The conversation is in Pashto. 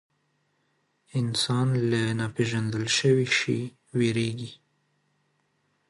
انسان له ناپېژندل شوي شي وېرېږي.